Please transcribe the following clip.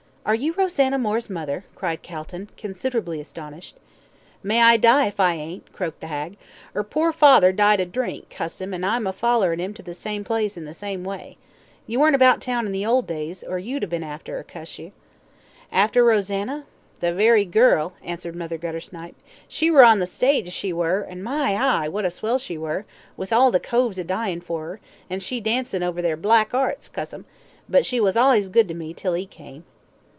Are you Rosanna Moore's mother?" cried Calton, considerably astonished. "May I die if I ain't," croaked the hag. "'Er pore father died of drink, cuss 'im, an' I'm a follerin' 'im to the same place in the same way. You weren't about town in the old days, or you'd a bin after her, cuss ye." "After Rosanna?" "The werry girl," answered Mother Guttersnipe. "She were on the stage, she were, an' my eye, what a swell she were, with all the coves a dyin' for 'er, an' she dancin' over their black 'earts, cuss 'em; but she was allays good to me till 'e came."